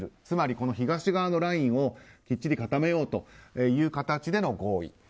つまり東側のラインをきっちり固めようという形での合意。